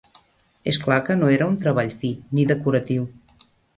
Es clar que no era un treball fi, ni decoratiu